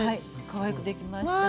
かわいくできました。